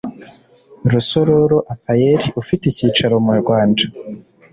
rusororo apaer ufite icyicaro murwanda